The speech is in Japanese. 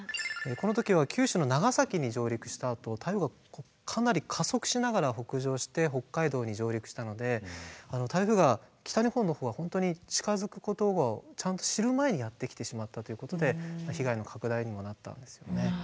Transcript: この時は九州の長崎に上陸したあと台風がかなり加速しながら北上して北海道に上陸したので台風が北日本の方は本当に近づくことをちゃんと知る前にやってきてしまったということで被害の拡大にもなったんですよね。